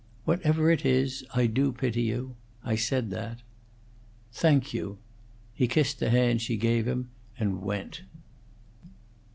"Whatever it is, I do pity you; I said that." "Thank you." He kissed the hand she gave him and went.